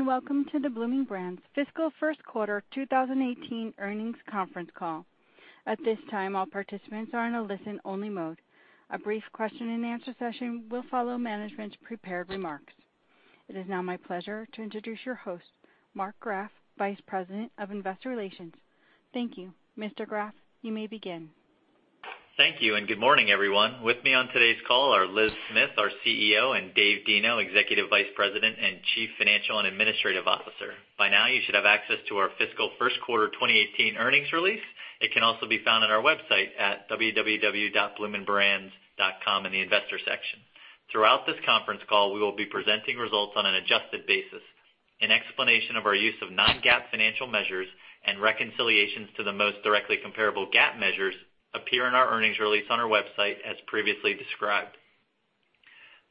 Greetings. Welcome to the Bloomin' Brands fiscal first quarter 2018 earnings conference call. At this time, all participants are in a listen-only mode. A brief question and answer session will follow management's prepared remarks. It is now my pleasure to introduce your host, Mark Graff, Vice President of Investor Relations. Thank you. Mr. Graff, you may begin. Thank you. Good morning, everyone. With me on today's call are Liz Smith, our CEO, and David Deno, Executive Vice President and Chief Financial and Administrative Officer. By now, you should have access to our fiscal first-quarter 2018 earnings release. It can also be found on our website at www.bloominbrands.com in the investor section. Throughout this conference call, we will be presenting results on an adjusted basis. An explanation of our use of non-GAAP financial measures and reconciliations to the most directly comparable GAAP measures appear in our earnings release on our website, as previously described.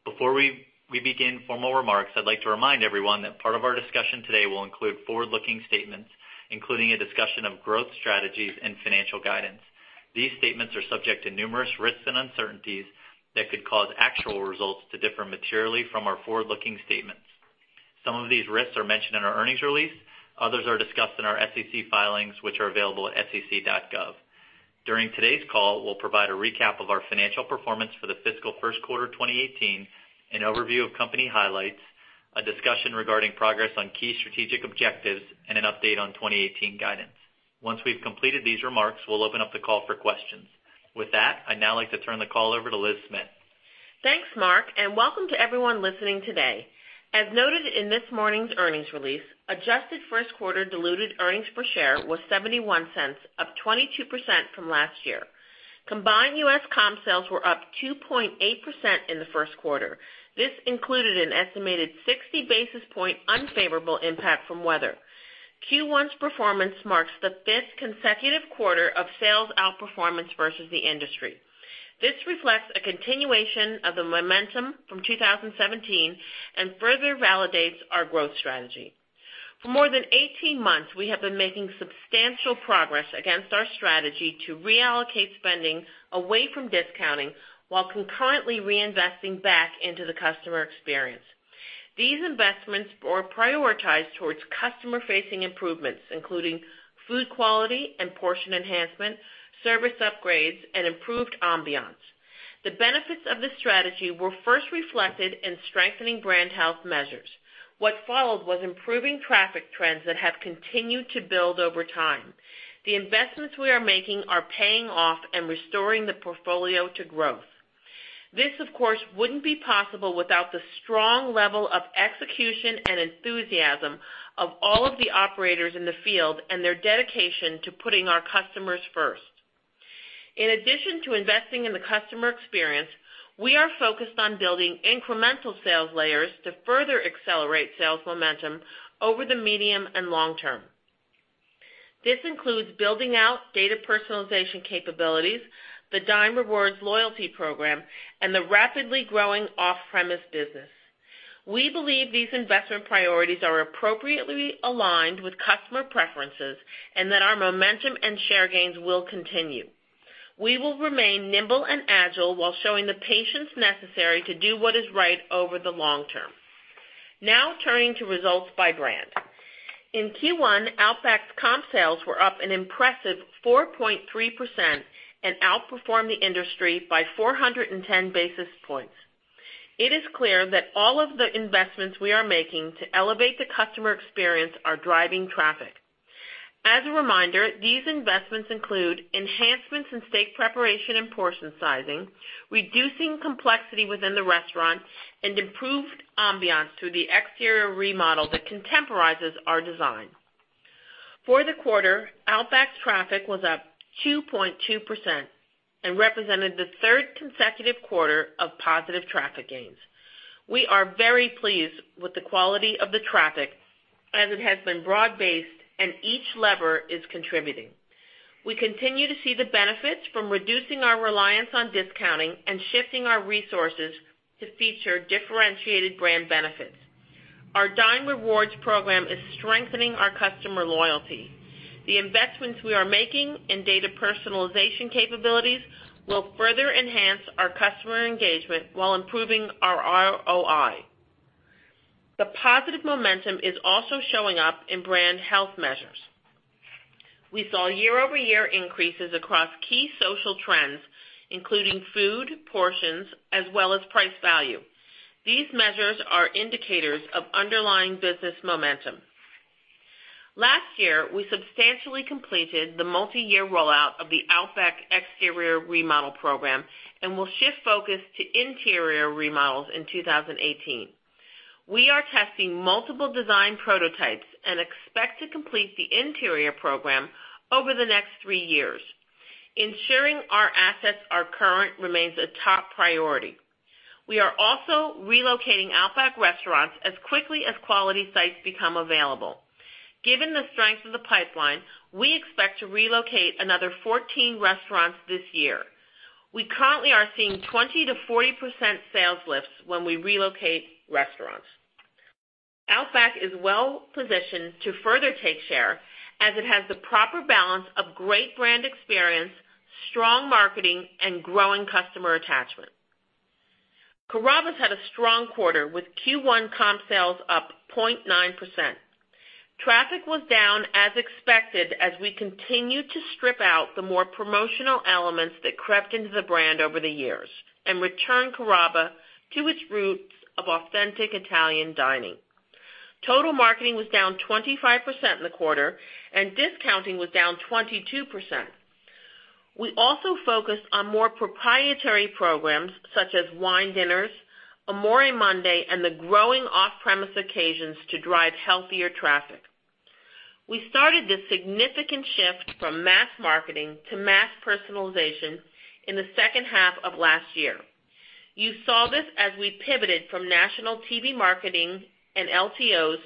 Before we begin formal remarks, I'd like to remind everyone that part of our discussion today will include forward-looking statements, including a discussion of growth strategies and financial guidance. These statements are subject to numerous risks and uncertainties that could cause actual results to differ materially from our forward-looking statements. Some of these risks are mentioned in our earnings release. Others are discussed in our SEC filings, which are available at sec.gov. During today's call, we'll provide a recap of our financial performance for the fiscal first quarter 2018, an overview of company highlights, a discussion regarding progress on key strategic objectives, and an update on 2018 guidance. Once we've completed these remarks, we'll open up the call for questions. With that, I'd now like to turn the call over to Liz Smith. Thanks, Mark. Welcome to everyone listening today. As noted in this morning's earnings release, adjusted first-quarter diluted earnings per share was $0.71, up 22% from last year. Combined U.S. comp sales were up 2.8% in the first quarter. This included an estimated 60-basis point unfavorable impact from weather. Q1's performance marks the fifth consecutive quarter of sales outperformance versus the industry. This reflects a continuation of the momentum from 2017 and further validates our growth strategy. For more than 18 months, we have been making substantial progress against our strategy to reallocate spending away from discounting while concurrently reinvesting back into the customer experience. These investments were prioritized towards customer-facing improvements, including food quality and portion enhancement, service upgrades, and improved ambiance. The benefits of this strategy were first reflected in strengthening brand health measures. What followed was improving traffic trends that have continued to build over time. The investments we are making are paying off and restoring the portfolio to growth. This, of course, wouldn't be possible without the strong level of execution and enthusiasm of all of the operators in the field and their dedication to putting our customers first. In addition to investing in the customer experience, we are focused on building incremental sales layers to further accelerate sales momentum over the medium and long term. This includes building out data personalization capabilities, the Dine Rewards loyalty program, and the rapidly growing off-premise business. We believe these investment priorities are appropriately aligned with customer preferences and that our momentum and share gains will continue. We will remain nimble and agile while showing the patience necessary to do what is right over the long term. Now, turning to results by brand. In Q1, Outback's comp sales were up an impressive 4.3% and outperformed the industry by 410 basis points. It is clear that all of the investments we are making to elevate the customer experience are driving traffic. As a reminder, these investments include enhancements in steak preparation and portion sizing, reducing complexity within the restaurant, and improved ambiance through the exterior remodel that contemporizes our design. For the quarter, Outback's traffic was up 2.2% and represented the third consecutive quarter of positive traffic gains. We are very pleased with the quality of the traffic, as it has been broad-based, and each lever is contributing. We continue to see the benefits from reducing our reliance on discounting and shifting our resources to feature differentiated brand benefits. Our Dine Rewards program is strengthening our customer loyalty. The investments we are making in data personalization capabilities will further enhance our customer engagement while improving our ROI. The positive momentum is also showing up in brand health measures. We saw year-over-year increases across key social trends, including food, portions, as well as price value. These measures are indicators of underlying business momentum. Last year, we substantially completed the multi-year rollout of the Outback exterior remodel program and will shift focus to interior remodels in 2018. We are testing multiple design prototypes and expect to complete the interior program over the next three years. Ensuring our assets are current remains a top priority. We are also relocating Outback restaurants as quickly as quality sites become available. Given the strength of the pipeline, we expect to relocate another 14 restaurants this year. We currently are seeing 20%-40% sales lifts when we relocate restaurants. Outback is well-positioned to further take share, as it has the proper balance of great brand experience Strong marketing and growing customer attachment. Carrabba's had a strong quarter with Q1 comp sales up 0.9%. Traffic was down as expected as we continued to strip out the more promotional elements that crept into the brand over the years and return Carrabba's to its roots of authentic Italian dining. Total marketing was down 25% in the quarter, and discounting was down 22%. We also focused on more proprietary programs such as wine dinners, Amore Monday, and the growing off-premise occasions to drive healthier traffic. We started this significant shift from mass marketing to mass personalization in the second half of last year. You saw this as we pivoted from national TV marketing and LTOs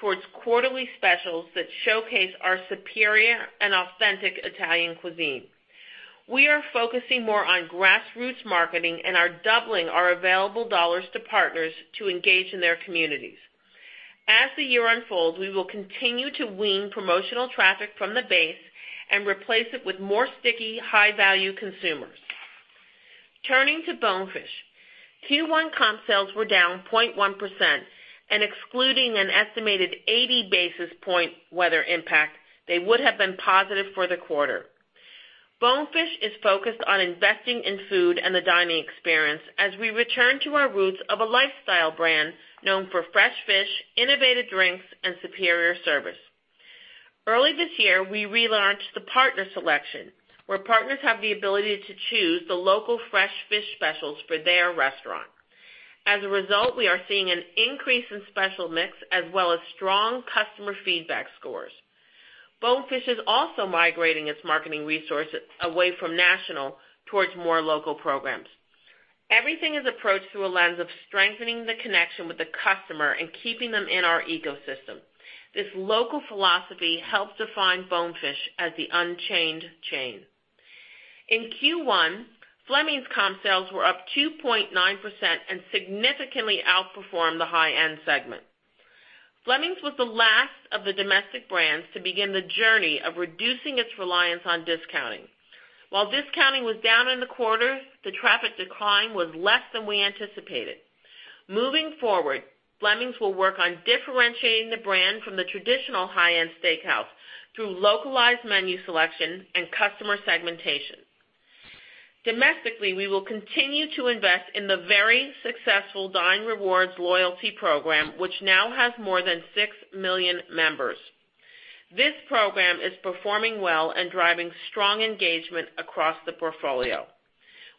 towards quarterly specials that showcase our superior and authentic Italian cuisine. We are focusing more on grassroots marketing and are doubling our available dollars to partners to engage in their communities. As the year unfolds, we will continue to wean promotional traffic from the base and replace it with more sticky, high-value consumers. Turning to Bonefish, Q1 comp sales were down 0.1%, and excluding an estimated 80 basis point weather impact, they would have been positive for the quarter. Bonefish is focused on investing in food and the dining experience as we return to our roots of a lifestyle brand known for fresh fish, innovative drinks, and superior service. Early this year, we relaunched the partner selection, where partners have the ability to choose the local fresh fish specials for their restaurant. As a result, we are seeing an increase in special mix, as well as strong customer feedback scores. Bonefish is also migrating its marketing resources away from national towards more local programs. Everything is approached through a lens of strengthening the connection with the customer and keeping them in our ecosystem. This local philosophy helps define Bonefish as the unchained chain. In Q1, Fleming's comp sales were up 2.9% and significantly outperformed the high-end segment. Fleming's was the last of the domestic brands to begin the journey of reducing its reliance on discounting. While discounting was down in the quarter, the traffic decline was less than we anticipated. Moving forward, Fleming's will work on differentiating the brand from the traditional high-end steakhouse through localized menu selection and customer segmentation. Domestically, we will continue to invest in the very successful Dine Rewards loyalty program, which now has more than 6 million members. This program is performing well and driving strong engagement across the portfolio.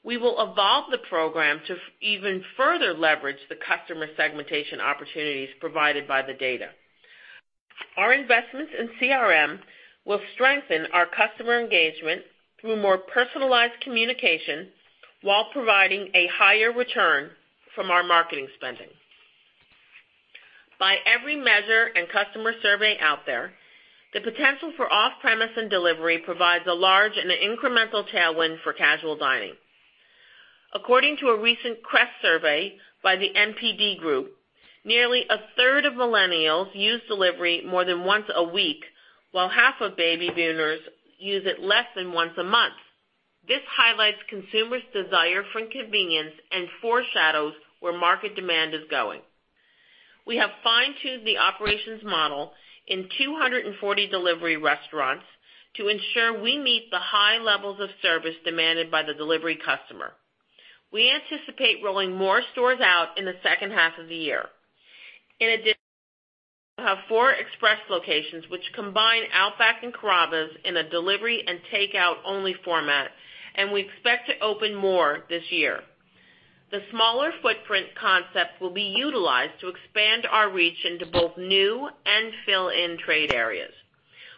We will evolve the program to even further leverage the customer segmentation opportunities provided by the data. Our investments in CRM will strengthen our customer engagement through more personalized communication while providing a higher return from our marketing spending. By every measure and customer survey out there, the potential for off-premise and delivery provides a large and incremental tailwind for casual dining. According to a recent CREST survey by The NPD Group, nearly a third of millennials use delivery more than once a week, while half of baby boomers use it less than once a month. This highlights consumers' desire for convenience and foreshadows where market demand is going. We have fine-tuned the operations model in 240 delivery restaurants to ensure we meet the high levels of service demanded by the delivery customer. We anticipate rolling more stores out in the second half of the year. In addition, we have four express locations which combine Outback and Carrabba's in a delivery and takeout-only format, and we expect to open more this year. The smaller footprint concept will be utilized to expand our reach into both new and fill-in trade areas.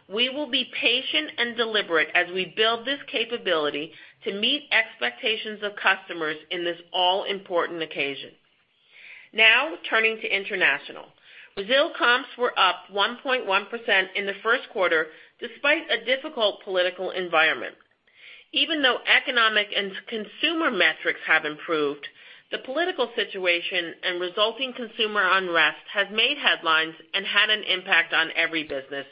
We will be patient and deliberate as we build this capability to meet expectations of customers in this all-important occasion. Now, turning to international. Brazil comps were up 1.1% in the first quarter despite a difficult political environment. Even though economic and consumer metrics have improved, the political situation and resulting consumer unrest has made headlines and had an impact on every business,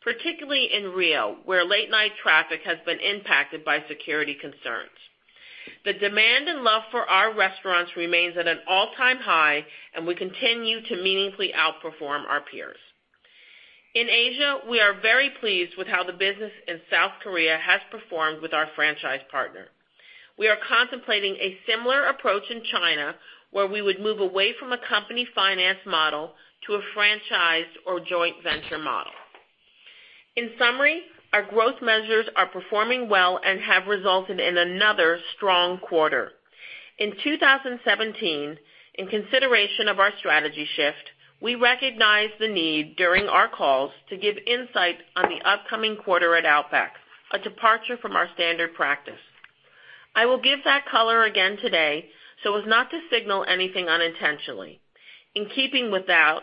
particularly in Rio, where late-night traffic has been impacted by security concerns. The demand and love for our restaurants remains at an all-time high, and we continue to meaningfully outperform our peers. In Asia, we are very pleased with how the business in South Korea has performed with our franchise partner. We are contemplating a similar approach in China, where we would move away from a company-financed model to a franchise or joint venture model. In summary, our growth measures are performing well and have resulted in another strong quarter. In 2017, in consideration of our strategy shift, we recognized the need during our calls to give insight on the upcoming quarter at Outback, a departure from our standard practice. I will give that color again today so as not to signal anything unintentionally. In keeping with that,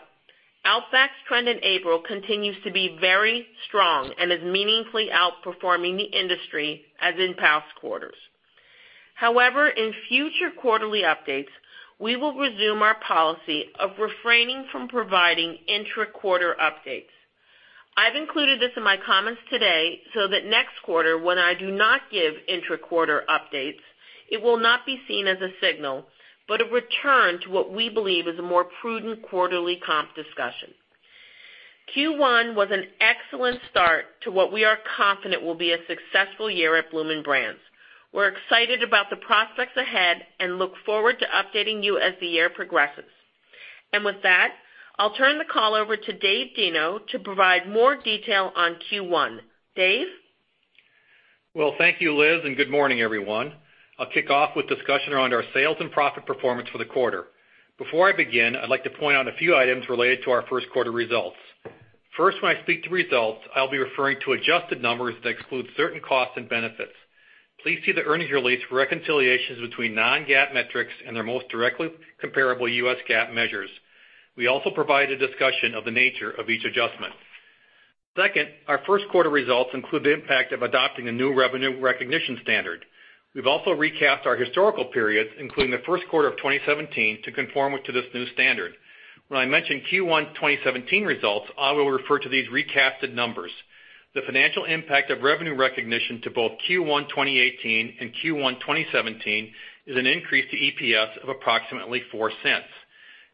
Outback's trend in April continues to be very strong and is meaningfully outperforming the industry as in past quarters. However, in future quarterly updates, we will resume our policy of refraining from providing intra-quarter updates. I've included this in my comments today so that next quarter, when I do not give intra-quarter updates, it will not be seen as a signal, but a return to what we believe is a more prudent quarterly comp discussion. Q1 was an excellent start to what we are confident will be a successful year at Bloomin' Brands. We're excited about the prospects ahead and look forward to updating you as the year progresses. With that, I'll turn the call over to David Deno to provide more detail on Q1. David? Well, thank you, Liz, and good morning, everyone. I'll kick off with discussion around our sales and profit performance for the quarter. Before I begin, I'd like to point out a few items related to our first quarter results. First, when I speak to results, I'll be referring to adjusted numbers that exclude certain costs and benefits. Please see the earnings release for reconciliations between non-GAAP metrics and their most directly comparable U.S. GAAP measures. We also provide a discussion of the nature of each adjustment. Second, our first quarter results include the impact of adopting a new revenue recognition standard. We've also recapped our historical periods, including the first quarter of 2017, to conform to this new standard. When I mention Q1 2017 results, I will refer to these recasted numbers. The financial impact of revenue recognition to both Q1 2018 and Q1 2017 is an increase to EPS of approximately $0.04.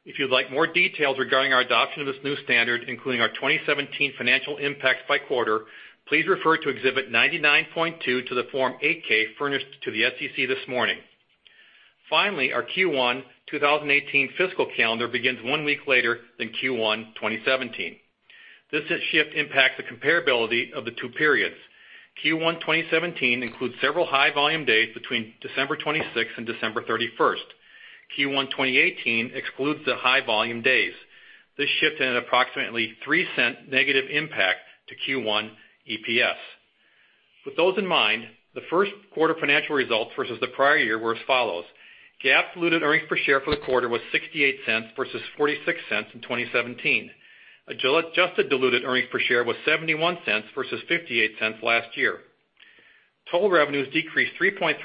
If you'd like more details regarding our adoption of this new standard, including our 2017 financial impacts by quarter, please refer to Exhibit 99.2 to the Form 8-K furnished to the SEC this morning. Finally, our Q1 2018 fiscal calendar begins one week later than Q1 2017. This shift impacts the comparability of the two periods. Q1 2017 includes several high-volume days between December 26th and December 31st. Q1 2018 excludes the high-volume days. This shift had an approximately $0.03 negative impact to Q1 EPS. With those in mind, the first quarter financial results versus the prior year were as follows: GAAP diluted earnings per share for the quarter was $0.68 versus $0.46 in 2017. Adjusted diluted earnings per share was $0.71 versus $0.58 last year. Total revenues decreased 3.3%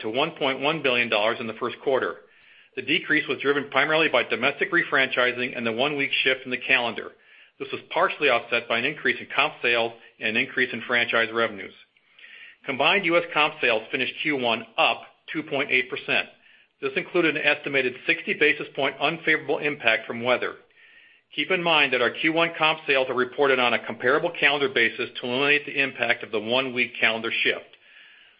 to $1.1 billion in the first quarter. The decrease was driven primarily by domestic refranchising and the one-week shift in the calendar. This was partially offset by an increase in comp sales and an increase in franchise revenues. Combined U.S. comp sales finished Q1 up 2.8%. This included an estimated 60 basis point unfavorable impact from weather. Keep in mind that our Q1 comp sales are reported on a comparable calendar basis to eliminate the impact of the one-week calendar shift.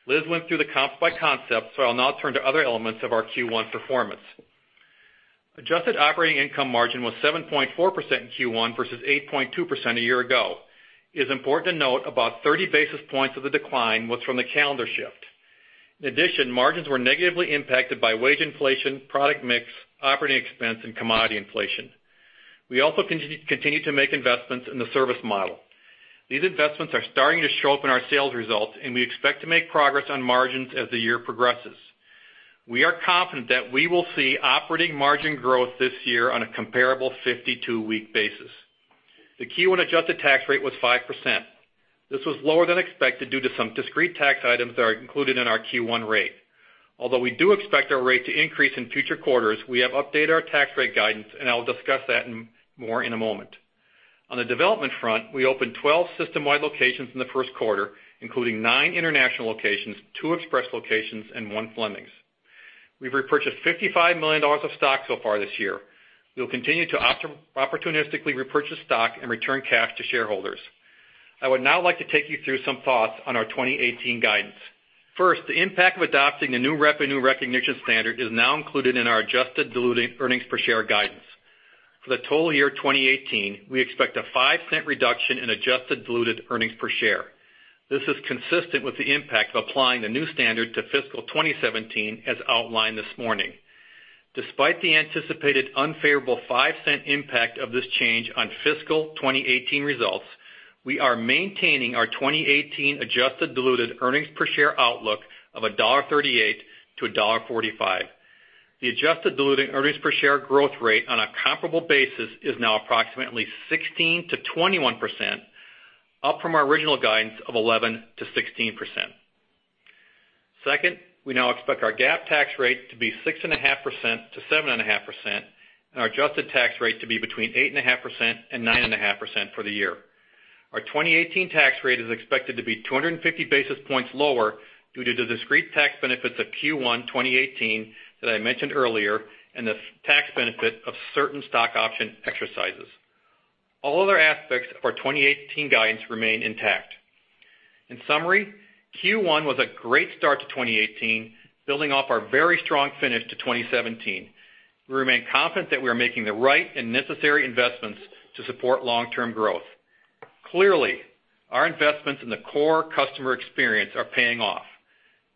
Liz went through the comps by concept, I'll now turn to other elements of our Q1 performance. Adjusted operating income margin was 7.4% in Q1 versus 8.2% a year ago. It is important to note about 30 basis points of the decline was from the calendar shift. In addition, margins were negatively impacted by wage inflation, product mix, operating expense, and commodity inflation. We also continue to make investments in the service model. These investments are starting to show up in our sales results, and we expect to make progress on margins as the year progresses. We are confident that we will see operating margin growth this year on a comparable 52-week basis. The Q1 adjusted tax rate was 5%. This was lower than expected due to some discrete tax items that are included in our Q1 rate. We do expect our rate to increase in future quarters, we have updated our tax rate guidance, and I'll discuss that more in a moment. On the development front, we opened 12 system-wide locations in the first quarter, including nine international locations, two express locations, and one Fleming's. We've repurchased $55 million of stock so far this year. We will continue to opportunistically repurchase stock and return cash to shareholders. I would now like to take you through some thoughts on our 2018 guidance. First, the impact of adopting a new revenue recognition standard is now included in our adjusted diluted earnings per share guidance. For the total year 2018, we expect a $0.05 reduction in adjusted diluted earnings per share. This is consistent with the impact of applying the new standard to fiscal 2017, as outlined this morning. Despite the anticipated unfavorable $0.05 impact of this change on fiscal 2018 results, we are maintaining our 2018 adjusted diluted earnings per share outlook of $1.38-$1.45. The adjusted diluted earnings per share growth rate on a comparable basis is now approximately 16%-21%, up from our original guidance of 11%-16%. Second, we now expect our GAAP tax rate to be 6.5%-7.5% and our adjusted tax rate to be between 8.5% and 9.5% for the year. Our 2018 tax rate is expected to be 250 basis points lower due to the discrete tax benefits of Q1 2018 that I mentioned earlier and the tax benefit of certain stock option exercises. All other aspects of our 2018 guidance remain intact. In summary, Q1 was a great start to 2018, building off our very strong finish to 2017. We remain confident that we are making the right and necessary investments to support long-term growth. Clearly, our investments in the core customer experience are paying off.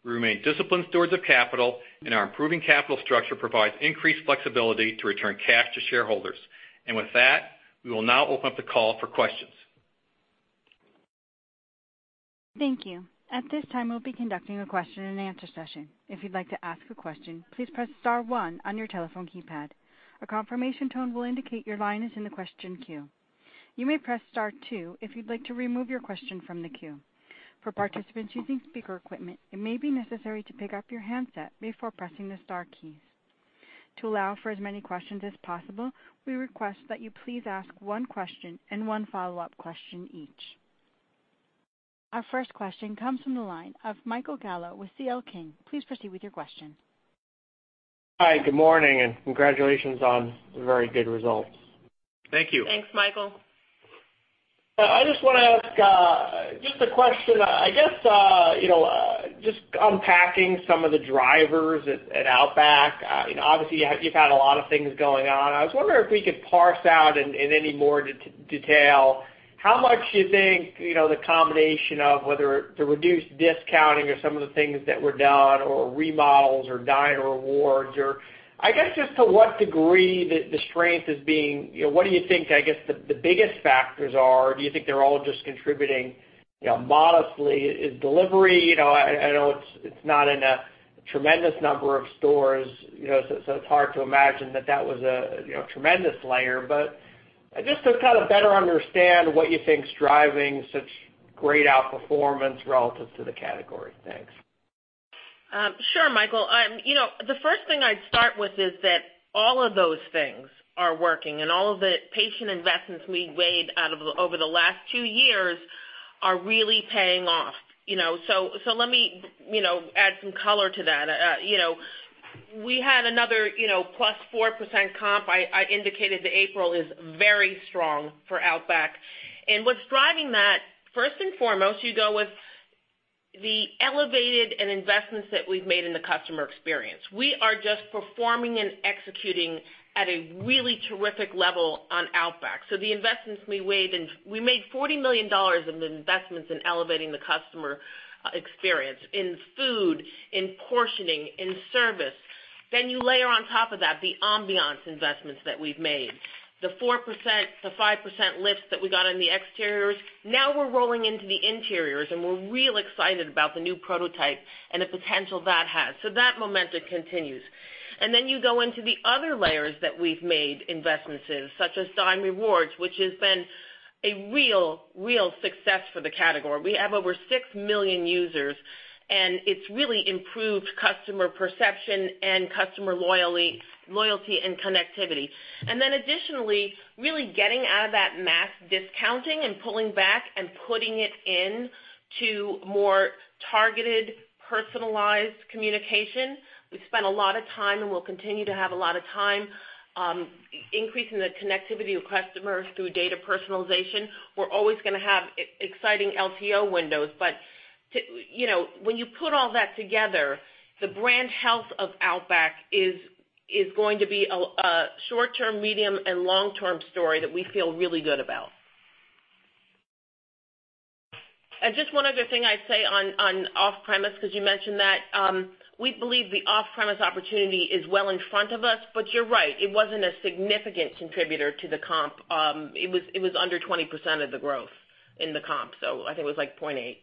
We remain disciplined stewards of capital, and our improving capital structure provides increased flexibility to return cash to shareholders. With that, we will now open up the call for questions. Thank you. At this time, we'll be conducting a question and answer session. If you'd like to ask a question, please press *1 on your telephone keypad. A confirmation tone will indicate your line is in the question queue. You may press star two if you'd like to remove your question from the queue. For participants using speaker equipment, it may be necessary to pick up your handset before pressing the star keys. To allow for as many questions as possible, we request that you please ask one question and one follow-up question each. Our first question comes from the line of Michael Gallo with C.L. King. Please proceed with your question. Hi, good morning, congratulations on very good results. Thank you. Thanks, Michael. I just want to ask just a question, I guess, just unpacking some of the drivers at Outback. Obviously, you've had a lot of things going on. I was wondering if we could parse out in any more detail how much you think the combination of whether the reduced discounting or some of the things that were done, or remodels or Dine Rewards or I guess, just to what degree What do you think, I guess, the biggest factors are? Do you think they're all just contributing modestly? Is delivery, I know it's not in a tremendous number of stores, so it's hard to imagine that was a tremendous layer, but just to kind of better understand what you think is driving such great outperformance relative to the category. Thanks. Sure, Michael. The first thing I'd start with is that all of those things are working, and all of the patient investments we've made over the last two years are really paying off. Let me add some color to that. We had another +4% comp. I indicated the April is very strong for Outback. What's driving that, first and foremost, with the elevated investments that we've made in the customer experience. We are just performing and executing at a really terrific level on Outback. The investments we made, and we made $40 million in investments in elevating the customer experience in food, in portioning, in service. You layer on top of that the ambiance investments that we've made. The +4%, the +5% lifts that we got in the exteriors. Now we're rolling into the interiors, and we're real excited about the new prototype and the potential that has. That momentum continues. You go into the other layers that we've made investments in, such as Dine Rewards, which has been a real success for the category. We have over 6 million users, and it's really improved customer perception and customer loyalty and connectivity. Additionally, really getting out of that mass discounting and pulling back and putting it into more targeted, personalized communication. We've spent a lot of time, and we'll continue to have a lot of time increasing the connectivity with customers through data personalization. We're always going to have exciting LTO windows. When you put all that together, the brand health of Outback is going to be a short-term, medium, and long-term story that we feel really good about. Just one other thing I'd say on off-premise, because you mentioned that. We believe the off-premise opportunity is well in front of us, but you're right, it wasn't a significant contributor to the comp. It was under 20% of the growth in the comp. I think it was like 0.8.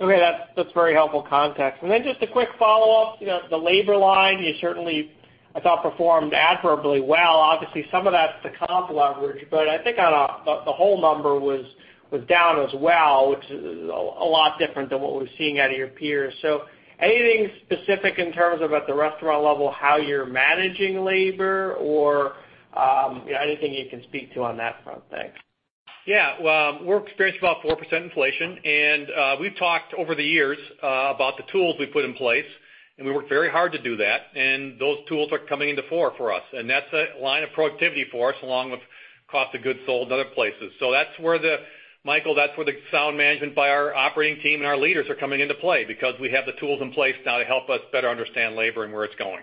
Okay. That's very helpful context. Just a quick follow-up. The labor line, you certainly, I thought, performed admirably well. Obviously, some of that's the comp leverage, but I think the whole number was down as well, which is a lot different than what we're seeing out of your peers. Anything specific in terms of, at the restaurant level, how you're managing labor or anything you can speak to on that front? Thanks. Yeah. We're experiencing about 4% inflation. We've talked over the years about the tools we've put in place. We worked very hard to do that, and those tools are coming into fore for us, and that's a line of productivity for us, along with cost of goods sold and other places. Michael, that's where the sound management by our operating team and our leaders are coming into play because we have the tools in place now to help us better understand labor and where it's going.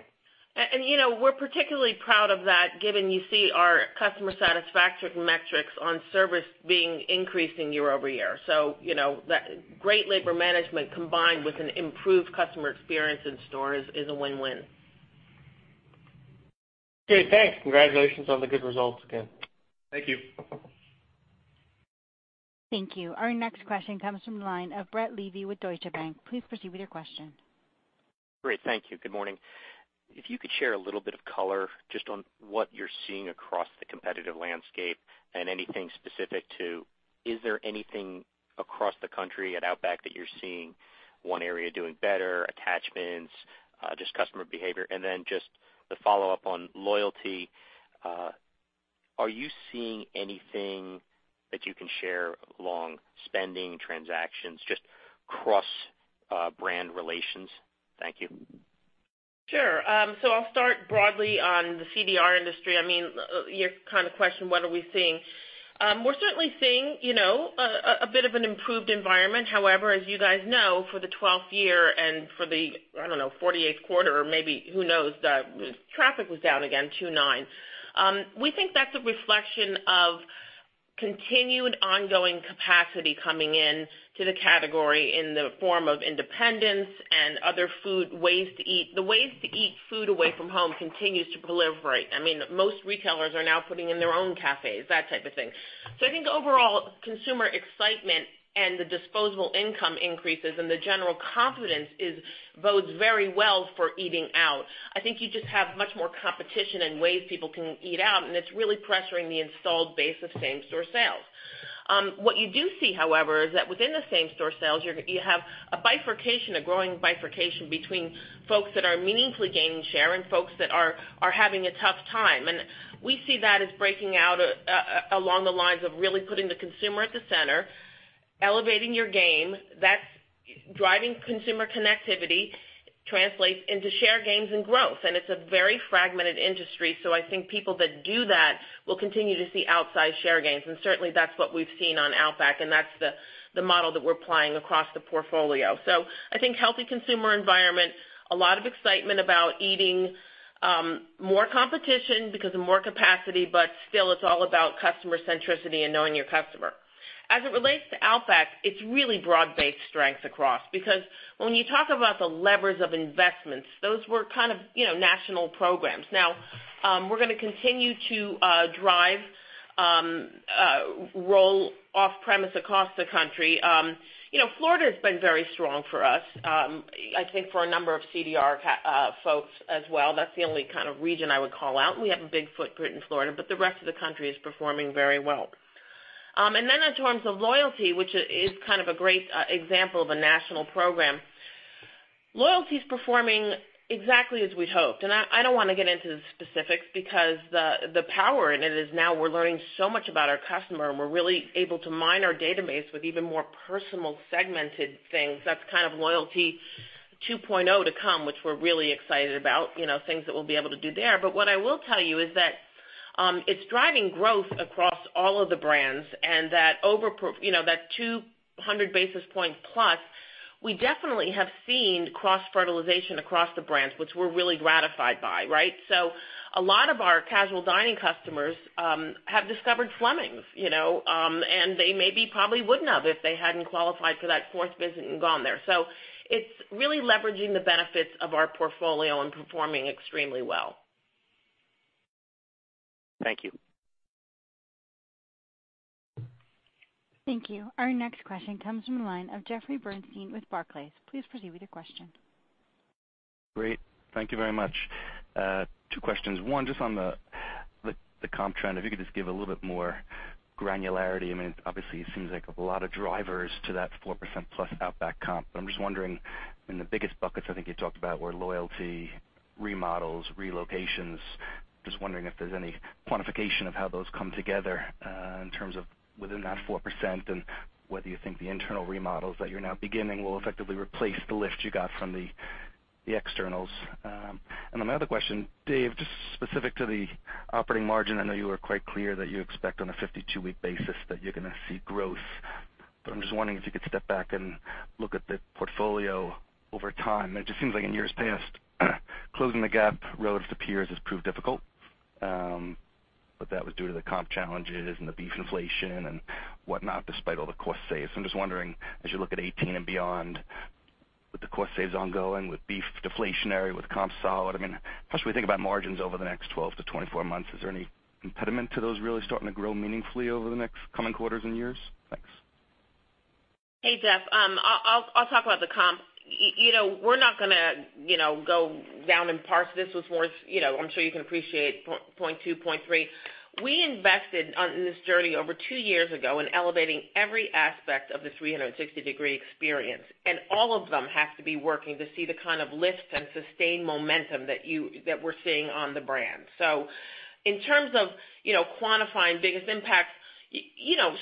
We're particularly proud of that, given you see our customer satisfaction metrics on service being increasing year-over-year. That great labor management combined with an improved customer experience in stores is a win-win. Okay, thanks. Congratulations on the good results again. Thank you. Thank you. Our next question comes from the line of Brett Levy with Deutsche Bank. Please proceed with your question. Great, thank you. Good morning. If you could share a little bit of color just on what you're seeing across the competitive landscape and anything specific to, is there anything across the country at Outback that you're seeing one area doing better, attachments, just customer behavior? Then just to follow up on loyalty, are you seeing anything that you can share along spending, transactions, just cross-brand relations? Thank you. Sure. I'll start broadly on the CDR industry. Your kind of question, what are we seeing? We're certainly seeing a bit of an improved environment. However, as you guys know, for the 12th year and for the, I don't know, 48th quarter, or maybe who knows, traffic was down again 2.9. We think that's a reflection of continued ongoing capacity coming in to the category in the form of independence and other food ways to eat. The ways to eat food away from home continues to proliferate. Most retailers are now putting in their own cafes, that type of thing. I think overall consumer excitement and the disposable income increases, and the general confidence bodes very well for eating out. I think you just have much more competition in ways people can eat out, and it's really pressuring the installed base of same-store sales. What you do see, however, is that within the same-store sales, you have a growing bifurcation between folks that are meaningfully gaining share and folks that are having a tough time. We see that as breaking out along the lines of really putting the consumer at the center, elevating your game, that's driving consumer connectivity, translates into share gains and growth, and it's a very fragmented industry. I think people that do that will continue to see outsized share gains. Certainly, that's what we've seen on Outback, and that's the model that we're applying across the portfolio. I think healthy consumer environment, a lot of excitement about eating, more competition because of more capacity, but still, it's all about customer centricity and knowing your customer. As it relates to Outback, it's really broad-based strength across, because when you talk about the levers of investments, those were kind of national programs. Now, we're going to continue to drive roll-off premise across the country. Florida has been very strong for us. I think for a number of CDR folks as well, that's the only kind of region I would call out, and we have a big footprint in Florida, but the rest of the country is performing very well. Then in terms of loyalty, which is kind of a great example of a national program, loyalty is performing exactly as we'd hoped. I don't want to get into the specifics because the power in it is now we're learning so much about our customer, and we're really able to mine our database with even more personal segmented things. That's kind of Loyalty 2.0 to come, which we're really excited about, things that we'll be able to do there. What I will tell you is that it's driving growth across all of the brands and that 200 basis points plus, we definitely have seen cross-fertilization across the brands, which we're really gratified by, right? A lot of our casual dining customers have discovered Fleming's, and they maybe probably wouldn't have if they hadn't qualified for that fourth visit and gone there. It's really leveraging the benefits of our portfolio and performing extremely well. Thank you. Thank you. Our next question comes from the line of Jeffrey Bernstein with Barclays. Please proceed with your question. Great. Thank you very much. Two questions. One, just on the comp trend, if you could just give a little bit more granularity. Obviously, it seems like a lot of drivers to that 4%+ Outback comp, but I am just wondering, in the biggest buckets I think you talked about were loyalty, remodels, relocations. Just wondering if there is any quantification of how those come together in terms of within that 4% and whether you think the internal remodels that you are now beginning will effectively replace the lift you got from the externals. On my other question, Dave, just specific to the operating margin, I know you were quite clear that you expect on a 52-week basis that you are going to see growth, but I am just wondering if you could step back and look at the portfolio over time. It just seems like in years past, closing the gap relative to peers has proved difficult, that was due to the comp challenges and the beef inflation and whatnot, despite all the cost saves. I am just wondering, as you look at 2018 and beyond, with the cost saves ongoing, with beef deflationary, with comps solid, how should we think about margins over the next 12-24 months? Is there any impediment to those really starting to grow meaningfully over the next coming quarters and years? Thanks. Hey, Jeff. I will talk about the comp. We are not going to go down and parse this with more, I am sure you can appreciate point two, point three. We invested on this journey over two years ago in elevating every aspect of the 360-degree experience, all of them have to be working to see the kind of lift and sustained momentum that we are seeing on the brand. In terms of quantifying biggest impacts,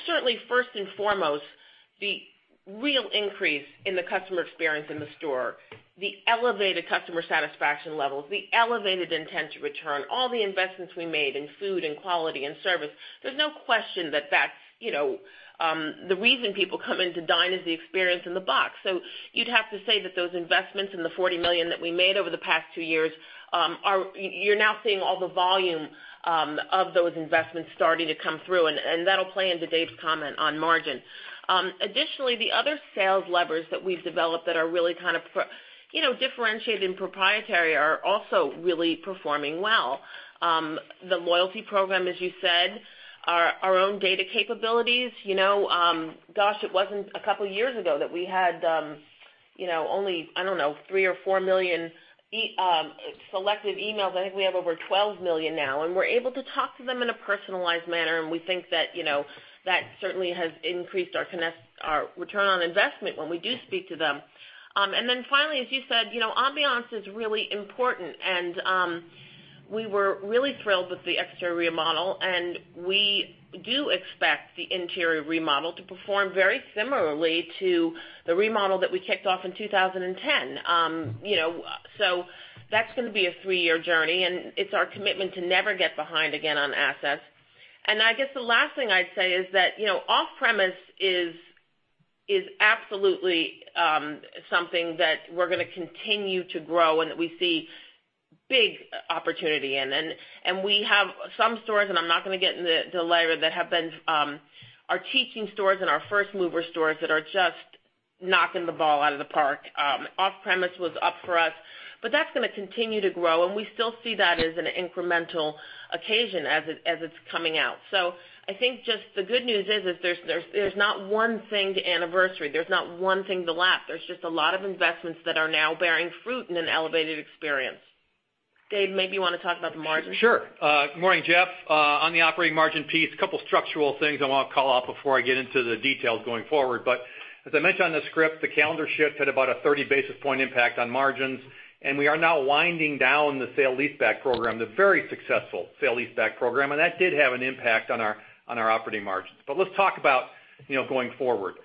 certainly first and foremost, the real increase in the customer experience in the store, the elevated customer satisfaction levels, the elevated intent to return, all the investments we made in food and quality and service. There is no question that that is the reason people come in to dine is the experience in the box. You'd have to say that those investments and the $40 million that we made over the past two years, you're now seeing all the volume of those investments starting to come through, and that'll play into Dave's comment on margin. Additionally, the other sales levers that we've developed that are really kind of differentiated and proprietary are also really performing well. The loyalty program, as you said, our own data capabilities. Gosh, it wasn't a couple of years ago that we had only, I don't know, three or four million selective emails. I think we have over 12 million now, and we're able to talk to them in a personalized manner, and we think that certainly has increased our ROI when we do speak to them. Finally, as you said, ambiance is really important and we were really thrilled with the exterior remodel, and we do expect the interior remodel to perform very similarly to the remodel that we kicked off in 2010. That's going to be a three-year journey, and it's our commitment to never get behind again on assets. I guess the last thing I'd say is that off-premise is absolutely something that we're going to continue to grow and that we see big opportunity in. We have some stores, and I'm not going to get into the layer that have been our teaching stores and our first-mover stores that are just knocking the ball out of the park. Off-premise was up for us, but that's going to continue to grow, and we still see that as an incremental occasion as it's coming out. I think just the good news is there's not one thing to anniversary, there's not one thing to lap. There's just a lot of investments that are now bearing fruit in an elevated experience. Dave, maybe you want to talk about the margin? Sure. Good morning, Jeff. On the operating margin piece, a couple structural things I want to call out before I get into the details going forward. As I mentioned on the script, the calendar shift had about a 30 basis point impact on margins, and we are now winding down the sale-leaseback program, the very successful sale-leaseback program, and that did have an impact on our operating margins. Let's talk about going forward.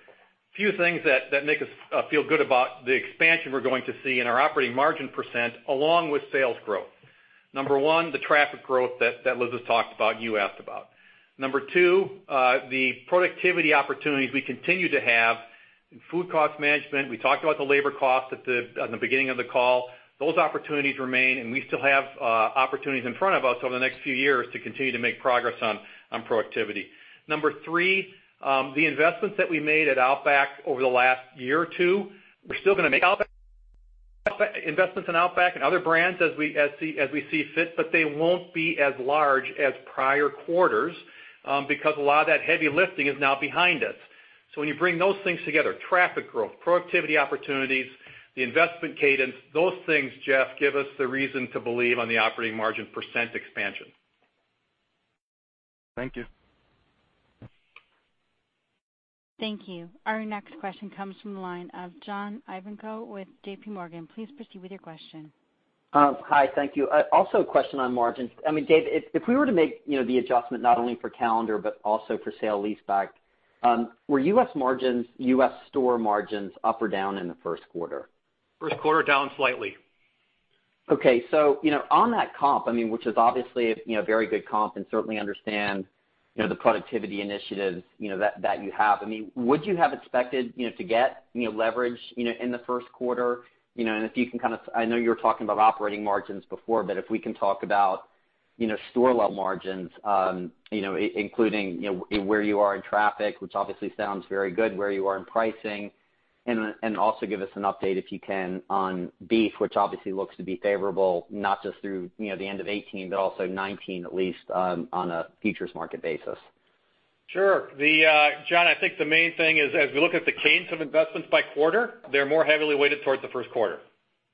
A few things that make us feel good about the expansion we're going to see in our operating margin percent along with sales growth. Number one, the traffic growth that Liz has talked about, you asked about. Number two, the productivity opportunities we continue to have. Food cost management, we talked about the labor cost at the beginning of the call. Those opportunities remain, we still have opportunities in front of us over the next few years to continue to make progress on productivity. Number 3, the investments that we made at Outback over the last year or two, we're still going to make investments in Outback and other brands as we see fit, but they won't be as large as prior quarters, because a lot of that heavy lifting is now behind us. When you bring those things together, traffic growth, productivity opportunities, the investment cadence, those things, Jeff, give us the reason to believe on the operating margin % expansion. Thank you. Thank you. Our next question comes from the line of John Ivankoe with JPMorgan. Please proceed with your question. Hi, thank you. Also a question on margins. Dave, if we were to make the adjustment not only for calendar but also for sale-leaseback, were U.S. store margins up or down in the first quarter? First quarter, down slightly. Okay. On that comp, which is obviously a very good comp and certainly understand the productivity initiatives that you have, would you have expected to get leverage in the first quarter? I know you were talking about operating margins before, but if we can talk about store-level margins, including where you are in traffic, which obviously sounds very good, where you are in pricing, and also give us an update, if you can, on beef, which obviously looks to be favorable not just through the end of 2018, but also 2019, at least on a futures market basis. Sure. John, I think the main thing is, as we look at the cadence of investments by quarter, they're more heavily weighted towards the first quarter.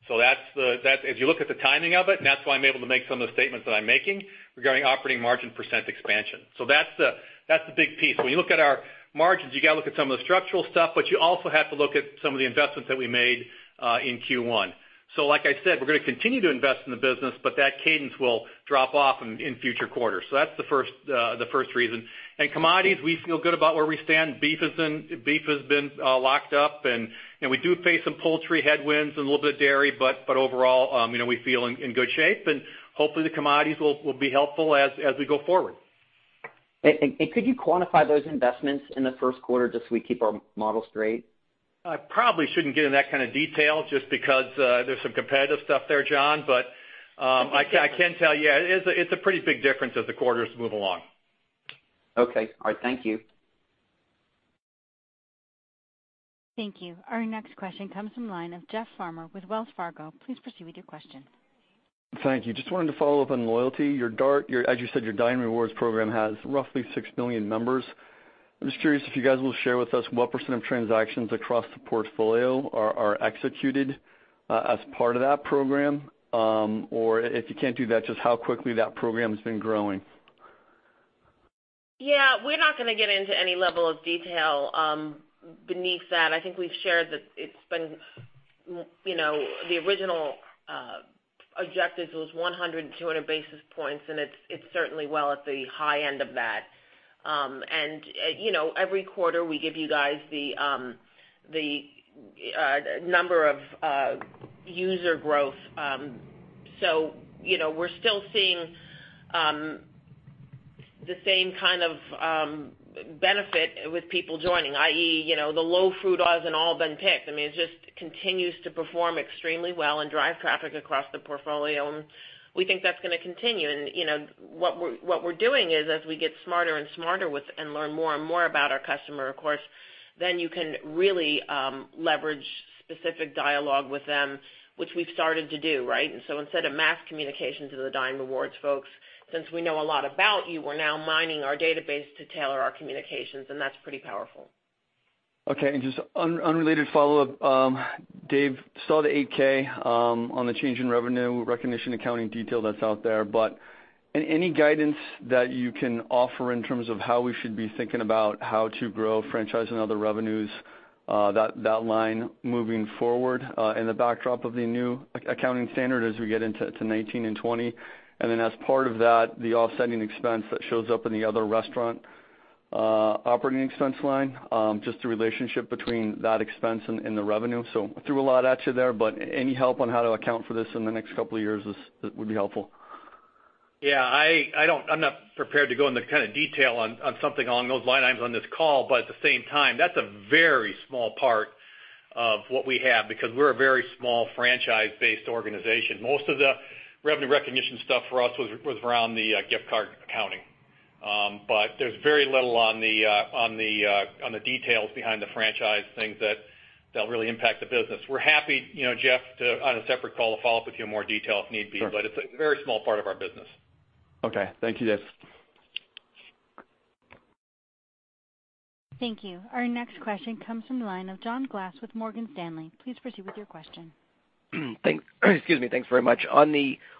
If you look at the timing of it, that's why I'm able to make some of the statements that I'm making regarding operating margin % expansion. That's the big piece. When you look at our margins, you got to look at some of the structural stuff, but you also have to look at some of the investments that we made in Q1. Like I said, we're going to continue to invest in the business, but that cadence will drop off in future quarters. That's the first reason. Commodities, we feel good about where we stand. Beef has been locked up, we do face some poultry headwinds and a little bit of dairy, but overall, we feel in good shape, hopefully the commodities will be helpful as we go forward. Could you quantify those investments in the first quarter just so we keep our model straight? I probably shouldn't get into that kind of detail just because there's some competitive stuff there, John. I can tell you, it's a pretty big difference as the quarters move along. Okay. All right. Thank you. Thank you. Our next question comes from the line of Jeff Farmer with Wells Fargo. Please proceed with your question. Thank you. Just wanted to follow up on loyalty. As you said, your Dine Rewards program has roughly six million members. I'm just curious if you guys will share with us what % of transactions across the portfolio are executed as part of that program. Or if you can't do that, just how quickly that program has been growing. We're not going to get into any level of detail beneath that. I think we've shared that the original objective was 100 and 200 basis points, and it's certainly well at the high end of that. Every quarter, we give you guys the number of user growth. We're still seeing the same kind of benefit with people joining, i.e. the low-fruit hasn't all been picked. It just continues to perform extremely well and drive traffic across the portfolio, and we think that's going to continue. What we're doing is as we get smarter and smarter and learn more and more about our customer, of course, then you can really leverage specific dialogue with them, which we've started to do, right? Instead of mass communications to the Dine Rewards folks, since we know a lot about you, we're now mining our database to tailor our communications, and that's pretty powerful. Just unrelated follow-up. Dave, saw the 8-K on the change in revenue recognition accounting detail that's out there. Any guidance that you can offer in terms of how we should be thinking about how to grow franchise and other revenues, that line moving forward in the backdrop of the new accounting standard as we get into to 2019 and 2020? As part of that, the offsetting expense that shows up in the other restaurant operating expense line, just the relationship between that expense and the revenue. I threw a lot at you there, but any help on how to account for this in the next couple of years would be helpful. I'm not prepared to go into detail on something along those lines on this call. At the same time, that's a very small part of what we have because we're a very small franchise-based organization. Most of the revenue recognition stuff for us was around the gift card accounting. There's very little on the details behind the franchise, things that'll really impact the business. We're happy, Jeff, to, on a separate call, follow up with you in more detail if need be. Sure. It's a very small part of our business. Okay. Thank you, Dave. Thank you. Our next question comes from the line of John Glass with Morgan Stanley. Please proceed with your question. Excuse me, thanks very much.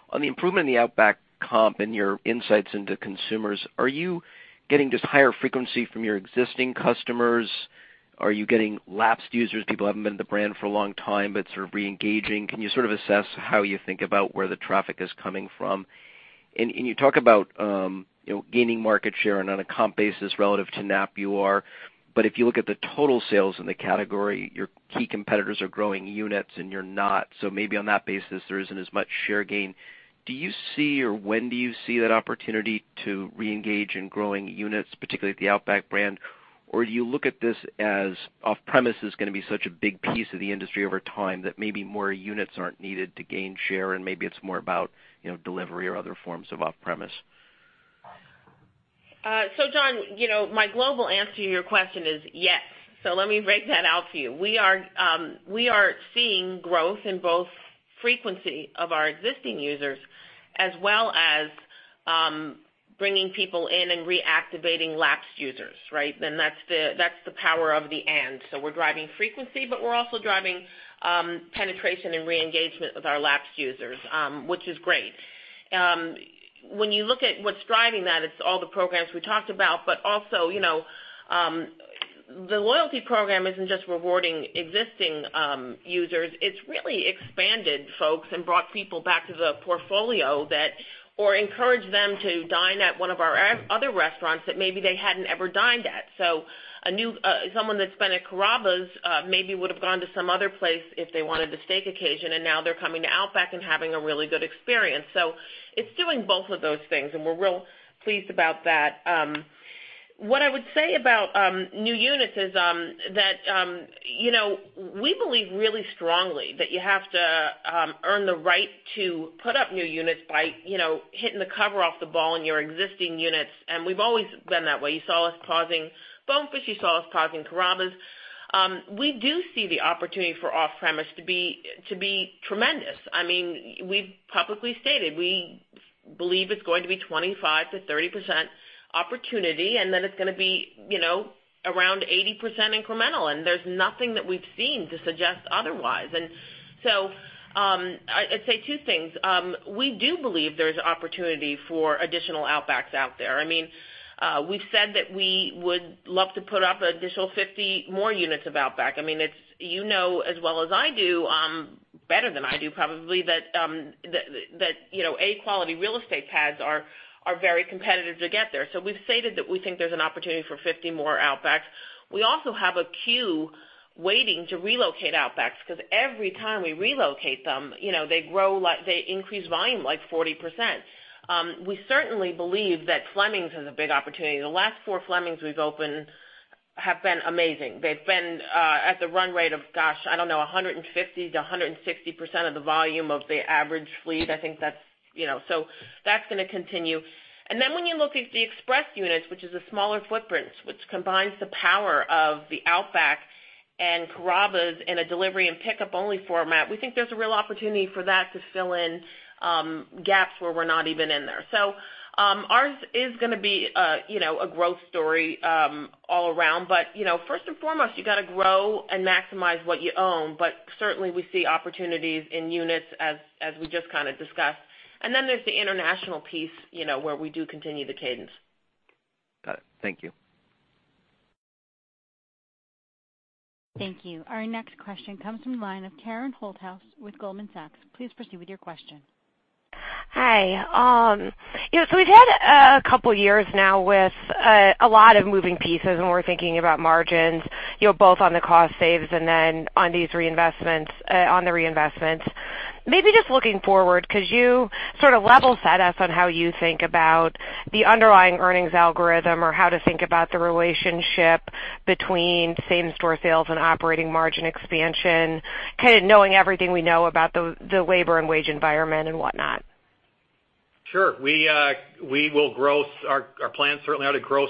On the improvement in the Outback comp and your insights into consumers, are you getting just higher frequency from your existing customers? Are you getting lapsed users, people who haven't been to the brand for a long time, but sort of re-engaging? Can you sort of assess how you think about where the traffic is coming from? You talk about gaining market share and on a comp basis relative to Knapp-Track you are, but if you look at the total sales in the category, your key competitors are growing units and you're not. Maybe on that basis, there isn't as much share gain. Do you see or when do you see that opportunity to reengage in growing units, particularly at the Outback brand? Do you look at this as off-premise is going to be such a big piece of the industry over time that maybe more units aren't needed to gain share, and maybe it's more about delivery or other forms of off-premise? John, my global answer to your question is yes. Let me break that out for you. We are seeing growth in both frequency of our existing users as well as bringing people in and reactivating lapsed users, right? That's the power of the and. We're driving frequency, but we're also driving penetration and re-engagement with our lapsed users, which is great. When you look at what's driving that, it's all the programs we talked about, but also the loyalty program isn't just rewarding existing users. It's really expanded folks and brought people back to the portfolio or encouraged them to dine at one of our other restaurants that maybe they hadn't ever dined at. Someone that's been at Carrabba's maybe would've gone to some other place if they wanted a steak occasion, and now they're coming to Outback and having a really good experience. It's doing both of those things, and we're real pleased about that. What I would say about new units is that we believe really strongly that you have to earn the right to put up new units by hitting the cover off the ball in your existing units. We've always been that way. You saw us pausing Bonefish, you saw us pausing Carrabba's. We do see the opportunity for off-premise to be tremendous. We've publicly stated we believe it's going to be 25%-30% opportunity, and then it's going to be around 80% incremental, and there's nothing that we've seen to suggest otherwise. I'd say two things. We do believe there's opportunity for additional Outbacks out there. We've said that we would love to put up an additional 50 more units of Outback. You know as well as I do, better than I do probably, that A-quality real estate pads are very competitive to get there. We've stated that we think there's an opportunity for 50 more Outbacks. We also have a queue waiting to relocate Outbacks because every time we relocate them, they increase volume like 40%. We certainly believe that Fleming's is a big opportunity. The last four Fleming's we've opened have been amazing. They've been at the run rate of, gosh, I don't know, 150%-160% of the volume of the average fleet. That's going to continue. When you look at the Express units, which is a smaller footprint, which combines the power of the Outback and Carrabba's in a delivery and pickup-only format, we think there's a real opportunity for that to fill in gaps where we're not even in there. Ours is going to be a growth story all around. First and foremost, you got to grow and maximize what you own. Certainly, we see opportunities in units as we just kind of discussed. There's the international piece where we do continue the cadence. Got it. Thank you. Thank you. Our next question comes from the line of Karen Holthouse with Goldman Sachs. Please proceed with your question. Hi. We've had a couple of years now with a lot of moving pieces when we're thinking about margins, both on the cost saves and on the reinvestment. Looking forward, could you sort of level set us on how you think about the underlying earnings algorithm? How to think about the relationship between same-store sales and operating margin expansion, kind of knowing everything we know about the labor and wage environment and whatnot? Sure. Our plans certainly are to grow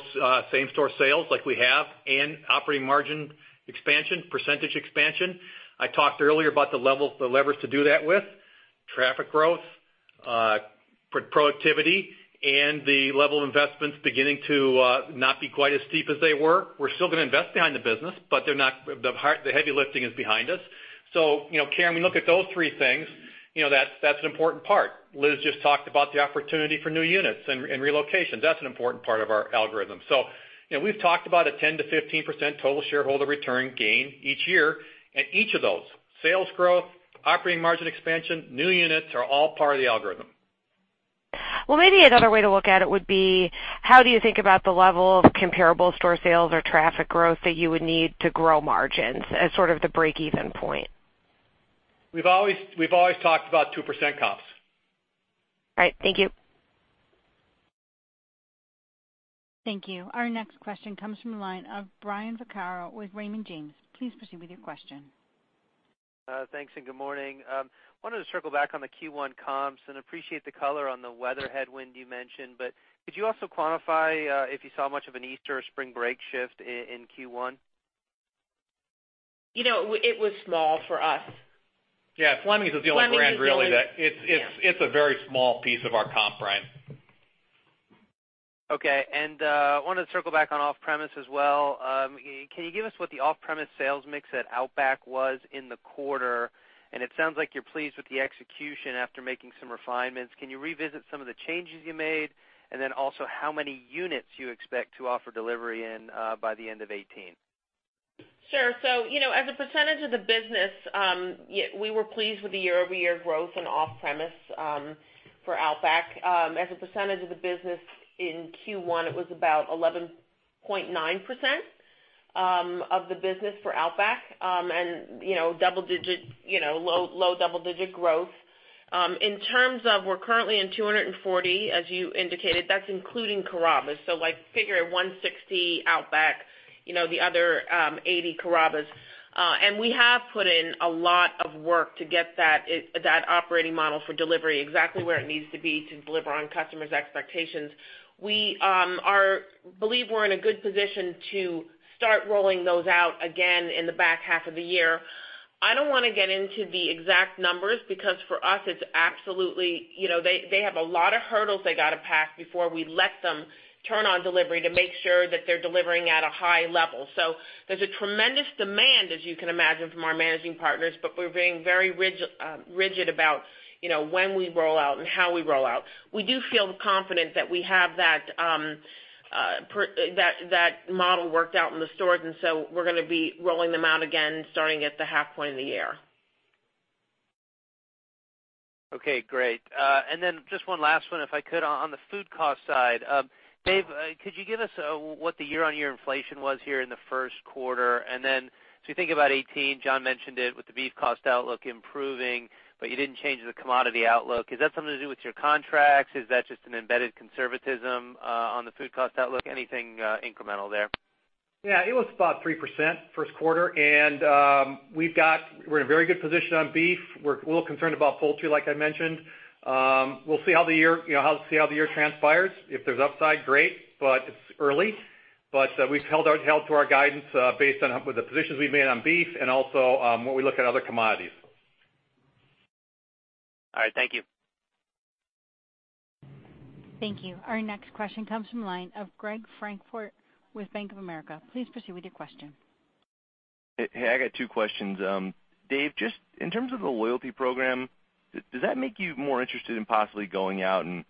same-store sales like we have and operating margin expansion, percentage expansion. I talked earlier about the levers to do that with. Traffic growth, productivity, and the level of investments beginning to not be quite as steep as they were. We're still going to invest behind the business, but the heavy lifting is behind us. Karen, we look at those three things, that's an important part. Liz just talked about the opportunity for new units and relocation. That's an important part of our algorithm. We've talked about a 10%-15% total shareholder return gain each year. Each of those, sales growth, operating margin expansion, new units, are all part of the algorithm. Another way to look at it would be how do you think about the level of comparable store sales or traffic growth that you would need to grow margins as sort of the break-even point? We've always talked about 2% comps. All right. Thank you. Thank you. Our next question comes from the line of Brian Vaccaro with Raymond James. Please proceed with your question. Thanks. Good morning. Wanted to circle back on the Q1 comps and appreciate the color on the weather headwind you mentioned, but could you also quantify if you saw much of an Easter or spring break shift in Q1? It was small for us. Yeah. Fleming's is the only brand really. It's a very small piece of our comp, Brian. Okay. Wanted to circle back on off-premise as well. Can you give us what the off-premise sales mix at Outback was in the quarter? It sounds like you're pleased with the execution after making some refinements. Can you revisit some of the changes you made, and then also how many units you expect to offer delivery in by the end of 2018? Sure. As a percentage of the business, we were pleased with the year-over-year growth in off-premise for Outback. As a percentage of the business in Q1, it was about 11.9% of the business for Outback, and low double-digit growth. In terms of, we're currently in 240, as you indicated. That's including Carrabba's. Figure 160 Outback, the other 80 Carrabba's. We have put in a lot of work to get that operating model for delivery exactly where it needs to be to deliver on customers' expectations. We believe we're in a good position to start rolling those out again in the back half of the year. I don't want to get into the exact numbers because for us, they have a lot of hurdles they got to pass before we let them turn on delivery to make sure that they're delivering at a high level. There's a tremendous demand, as you can imagine, from our managing partners, but we're being very rigid about when we roll out and how we roll out. We do feel confident that we have that model worked out in the stores, and so we're going to be rolling them out again, starting at the half point of the year. Okay, great. Just one last one, if I could. On the food cost side, Dave, could you give us what the year-on-year inflation was here in the first quarter? As we think about 2018, John mentioned it with the beef cost outlook improving, you didn't change the commodity outlook. Is that something to do with your contracts? Is that just an embedded conservatism on the food cost outlook? Anything incremental there? Yeah. It was about 3% first quarter, we're in a very good position on beef. We're a little concerned about poultry, like I mentioned. We'll see how the year transpires. If there's upside, great, it's early. We've held to our guidance based on the positions we've made on beef and also when we look at other commodities. All right. Thank you. Thank you. Our next question comes from the line of Gregory Francfort with Bank of America. Please proceed with your question. Hey, I got two questions. Dave, just in terms of the loyalty program, does that make you more interested in possibly going out and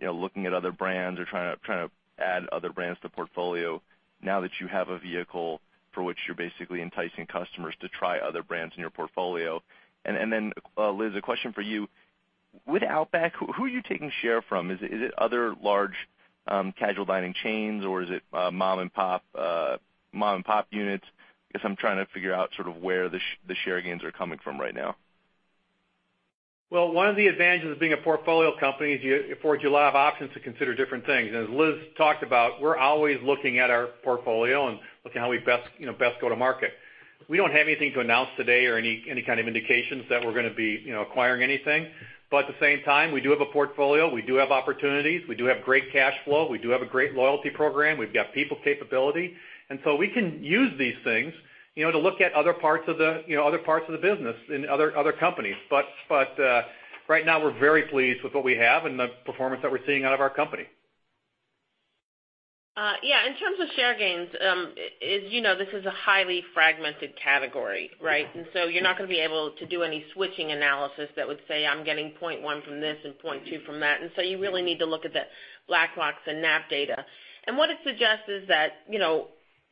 looking at other brands or trying to add other brands to the portfolio now that you have a vehicle for which you're basically enticing customers to try other brands in your portfolio? Liz, a question for you. With Outback, who are you taking share from? Is it other large casual dining chains, or is it mom-and-pop units? Guess I'm trying to figure out sort of where the share gains are coming from right now. Well, one of the advantages of being a portfolio company is it affords you a lot of options to consider different things. As Liz talked about, we're always looking at our portfolio and looking at how we best go to market. We don't have anything to announce today or any kind of indications that we're going to be acquiring anything. At the same time, we do have a portfolio. We do have opportunities. We do have great cash flow. We do have a great loyalty program. We've got people capability. We can use these things to look at other parts of the business in other companies. Right now, we're very pleased with what we have and the performance that we're seeing out of our company. Yeah. In terms of share gains, as you know, this is a highly fragmented category, right? You're not going to be able to do any switching analysis that would say, "I'm getting 0.1 from this and 0.2 from that." You really need to look at the Black Box and Knapp data. What it suggests is that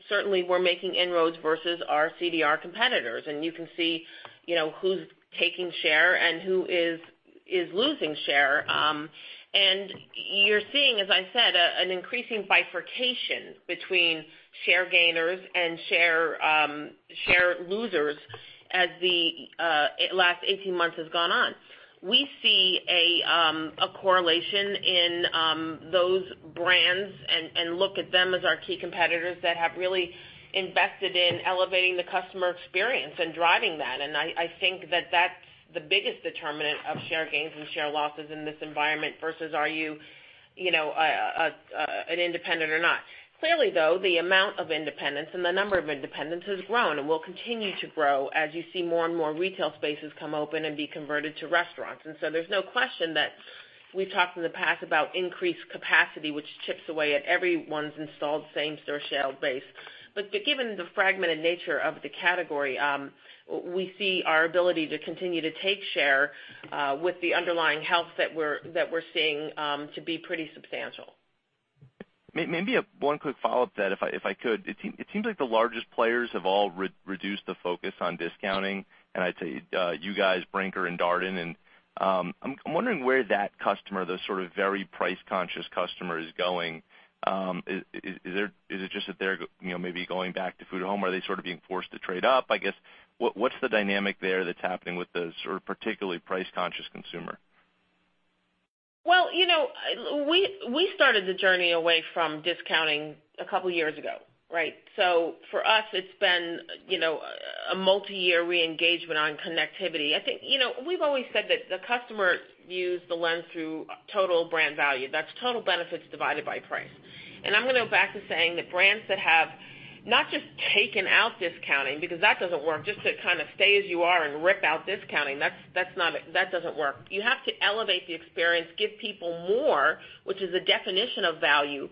certainly we're making inroads versus our CDR competitors, and you can see who's taking share and who is losing share. You're seeing, as I said, an increasing bifurcation between share gainers and share losers as the last 18 months has gone on. We see a correlation in those brands and look at them as our key competitors that have really invested in elevating the customer experience and driving that. I think that that's the biggest determinant of share gains and share losses in this environment versus are you an independent or not. Clearly, though, the amount of independents and the number of independents has grown and will continue to grow as you see more and more retail spaces come open and be converted to restaurants. There's no question that we've talked in the past about increased capacity, which chips away at everyone's installed same-store sales base. Given the fragmented nature of the category, we see our ability to continue to take share with the underlying health that we're seeing to be pretty substantial. Maybe one quick follow-up to that, if I could. It seems like the largest players have all reduced the focus on discounting. I'd say you guys, Brinker, and Darden. I'm wondering where that customer, the sort of very price-conscious customer, is going. Is it just that they're maybe going back to food at home? Are they sort of being forced to trade up? I guess, what's the dynamic there that's happening with the sort of particularly price-conscious consumer? Well, we started the journey away from discounting a couple of years ago, right? For us, it's been a multi-year re-engagement on connectivity. We've always said that the customers use the lens through total brand value. That's total benefits divided by price. I'm going to go back to saying that brands that have not just taken out discounting, because that doesn't work, just to kind of stay as you are and rip out discounting. That doesn't work. You have to elevate the experience, give people more, which is the definition of value,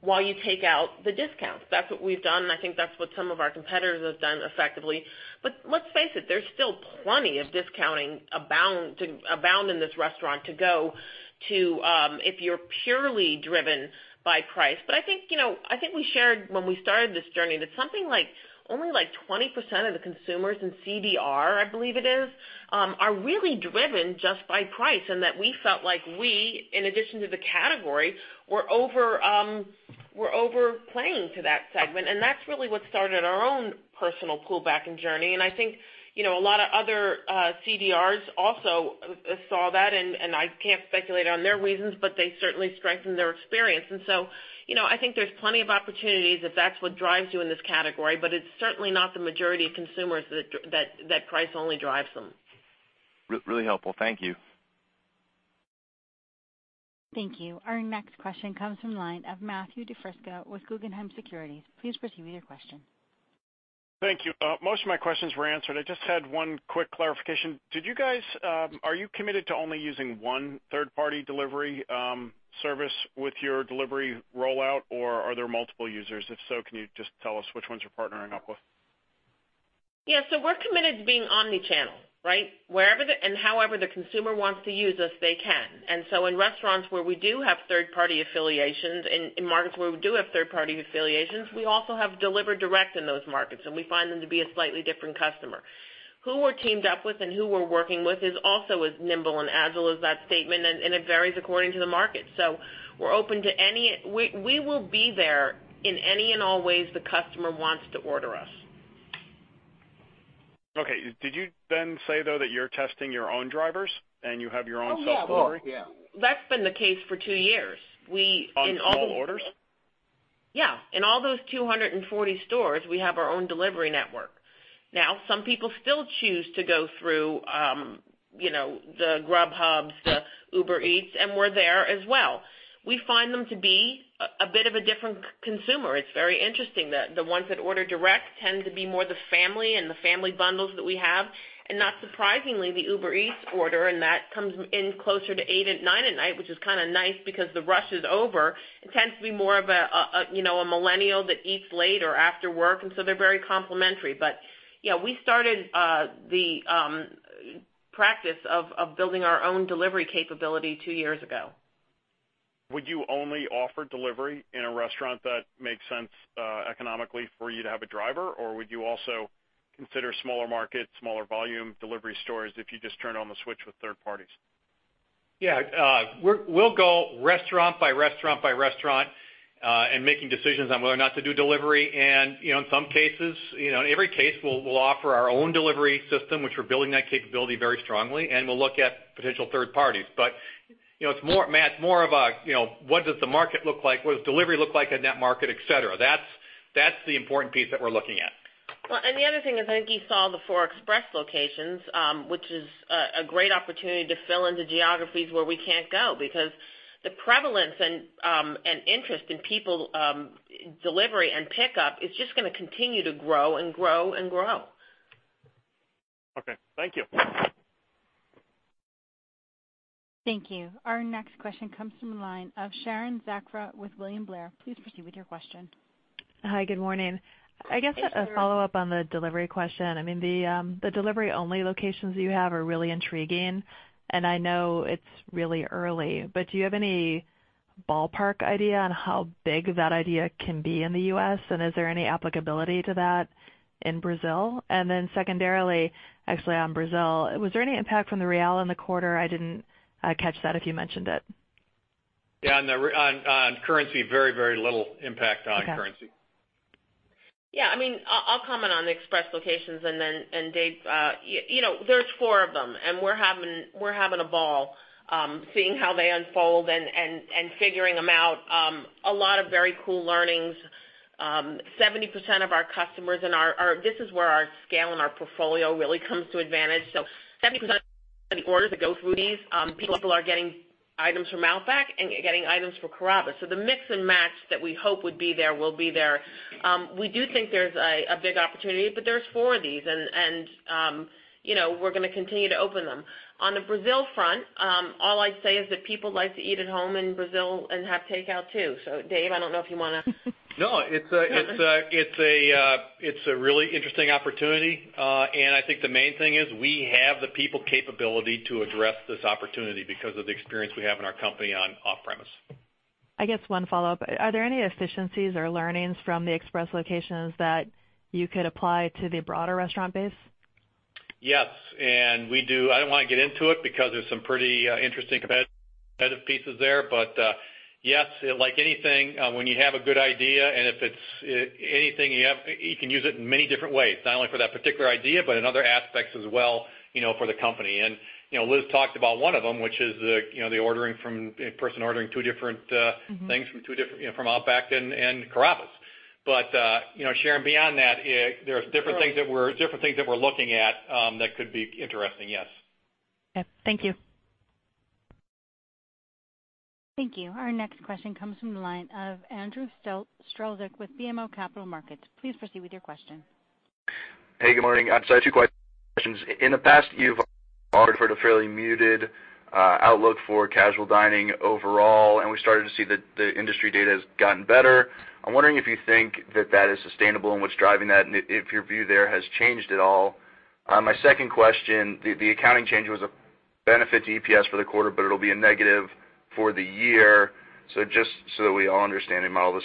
while you take out the discounts. That's what we've done, and I think that's what some of our competitors have done effectively. Let's face it, there's still plenty of discounting abound in this restaurant to go, if you're purely driven by price. I think we shared when we started this journey that something like only 20% of the consumers in CDR, I believe it is, are really driven just by price, and that we felt like we, in addition to the category, were over-playing to that segment. That's really what started our own personal pullback and journey, and I think a lot of other CDRs also saw that, and I can't speculate on their reasons, but they certainly strengthened their experience. I think there's plenty of opportunities if that's what drives you in this category, but it's certainly not the majority of consumers that price only drives them. Really helpful. Thank you. Thank you. Our next question comes from the line of Matthew DiFrisco with Guggenheim Securities. Please proceed with your question. Thank you. Most of my questions were answered. I just had one quick clarification. Are you committed to only using one third-party delivery service with your delivery rollout, or are there multiple users? If so, can you just tell us which ones you're partnering up with? We're committed to being omni-channel, right? Wherever and however the consumer wants to use us, they can. In restaurants where we do have third-party affiliations, in markets where we do have third-party affiliations, we also have delivered direct in those markets, and we find them to be a slightly different customer. Who we're teamed up with and who we're working with is also as nimble and agile as that statement, and it varies according to the market. We will be there in any and all ways the customer wants to order us. Okay. Did you then say, though, that you're testing your own drivers and you have your own self-delivery? Oh, yeah. Yeah That's been the case for two years. We. On all orders? Yeah. In all those 240 stores, we have our own delivery network. Some people still choose to go through the Grubhub, the Uber Eats, and we're there as well. We find them to be a bit of a different consumer. It's very interesting. The ones that order direct tend to be more the family and the family bundles that we have. Not surprisingly, the Uber Eats order, and that comes in closer to 8:00 and 9:00 at night, which is kind of nice because the rush is over. It tends to be more of a millennial that eats late or after work, and so they're very complementary. Yeah, we started the practice of building our own delivery capability two years ago. Would you only offer delivery in a restaurant that makes sense economically for you to have a driver, or would you also consider smaller markets, smaller volume delivery stores if you just turn on the switch with third parties? Yeah. We'll go restaurant by restaurant by restaurant in making decisions on whether or not to do delivery. In every case, we'll offer our own delivery system, which we're building that capability very strongly, and we'll look at potential third parties. It's more, Matt, more of a what does the market look like? What does delivery look like in that market, et cetera? That's the important piece that we're looking at. Well, the other thing is, I think you saw the four Express locations, which is a great opportunity to fill into geographies where we can't go. The prevalence and interest in people, delivery and pickup, is just going to continue to grow and grow and grow. Okay. Thank you. Thank you. Our next question comes from the line of Sharon Zackfia with William Blair. Please proceed with your question. Hi, good morning. Hey, Sharon. I guess a follow-up on the delivery question. The delivery-only locations you have are really intriguing, and I know it's really early. Do you have any ballpark idea on how big that idea can be in the U.S., and is there any applicability to that in Brazil? Secondarily, actually, on Brazil, was there any impact from the Real in the quarter? I didn't catch that if you mentioned it. On currency, very, very little impact on currency. Okay. I'll comment on the Express locations and then Dave, there's four of them, and we're having a ball seeing how they unfold and figuring them out. A lot of very cool learnings. 70% of our customers in our-- This is where our scale and our portfolio really comes to advantage. 70% of the orders that go through these, people are getting items from Outback and getting items from Carrabba's. The mix and match that we hope would be there will be there. We do think there's a big opportunity, but there's four of these and we're going to continue to open them. On the Brazil front, all I'd say is that people like to eat at home in Brazil and have takeout too. Dave, I don't know if you want to It's a really interesting opportunity. I think the main thing is we have the people capability to address this opportunity because of the experience we have in our company on off-premise. I guess one follow-up. Are there any efficiencies or learnings from the Express locations that you could apply to the broader restaurant base? Yes. I don't want to get into it because there's some pretty interesting competitive pieces there. Yes, like anything, when you have a good idea, and if it's anything you have, you can use it in many different ways, not only for that particular idea, but in other aspects as well for the company. Liz talked about one of them, which is the person ordering two different things from Outback and Carrabba's. Sharon, beyond that, there's different things that we're looking at that could be interesting, yes. Okay. Thank you. Thank you. Our next question comes from the line of Andrew Strelzik with BMO Capital Markets. Please proceed with your question. Hey, good morning. I'm sorry, two questions. In the past year, you've offered a fairly muted outlook for casual dining overall, and we're starting to see the industry data has gotten better. I'm wondering if you think that that is sustainable and what's driving that, and if your view there has changed at all. My second question, the accounting change was a benefit to EPS for the quarter, but it'll be a negative for the year. Just so that we all understand and model this,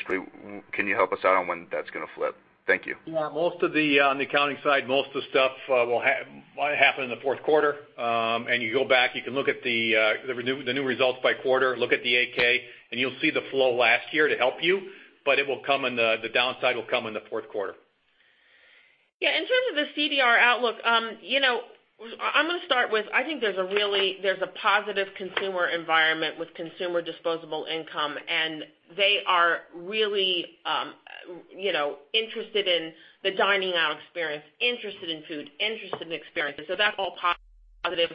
can you help us out on when that's going to flip? Thank you. Yeah. On the accounting side, most of the stuff will happen in the fourth quarter. You go back, you can look at the new results by quarter, look at the 8-K, and you'll see the flow last year to help you, but the downside will come in the fourth quarter. Yeah. In terms of the CDR outlook, I'm going to start with, I think there's a positive consumer environment with consumer disposable income, and they are really interested in the dining-out experience, interested in food, interested in experiences. That's all positive,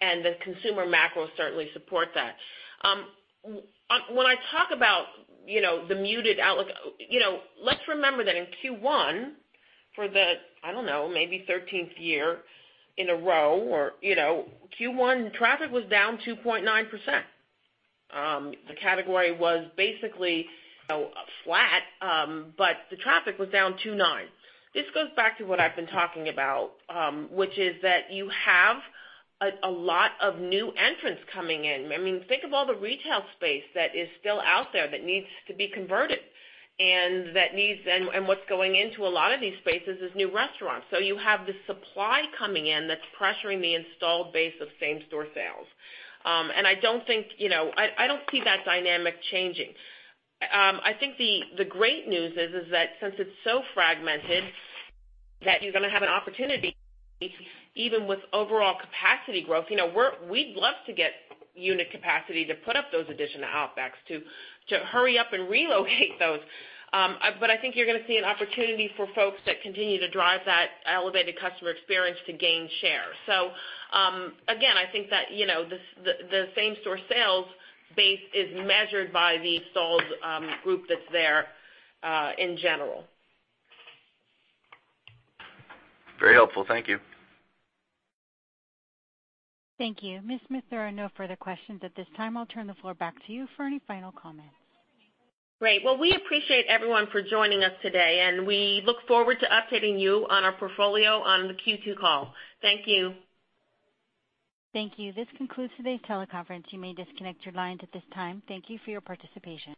and the consumer macro certainly supports that. When I talk about the muted outlook, let's remember that in Q1, for the, I don't know, maybe 13th year in a row, Q1 traffic was down 2.9%. The category was basically flat, but the traffic was down 2.9%. This goes back to what I've been talking about, which is that you have a lot of new entrants coming in. Think of all the retail space that is still out there that needs to be converted. What's going into a lot of these spaces is new restaurants. You have this supply coming in that's pressuring the installed base of same-store sales. I don't see that dynamic changing. I think the great news is that since it's so fragmented, that you're going to have an opportunity even with overall capacity growth. We'd love to get unit capacity to put up those additional Outbacks, to hurry up and relocate those. I think you're going to see an opportunity for folks that continue to drive that elevated customer experience to gain share. Again, I think that the same-store sales base is measured by the installed group that's there in general. Very helpful. Thank you. Thank you. Ms. Smith, there are no further questions at this time. I'll turn the floor back to you for any final comments. Great. Well, we appreciate everyone for joining us today, and we look forward to updating you on our portfolio on the Q2 call. Thank you. Thank you. This concludes today's teleconference. You may disconnect your lines at this time. Thank you for your participation.